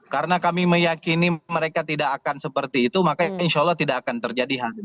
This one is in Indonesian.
karena kami meyakini mereka tidak akan seperti itu makanya insya allah tidak akan terjadi hal ini